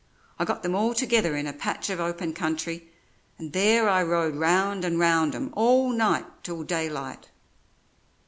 I got them all together in a patch of open country, and there I rode round and round 'em all night till daylight.